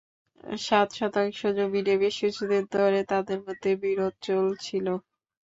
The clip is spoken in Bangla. সাত শতাংশ জমি নিয়ে বেশ কিছুদিন ধরে তাঁদের মধ্যে বিরোধ চলছিল।